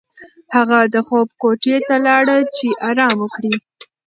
هغه د خوب کوټې ته لاړه چې ارام وکړي.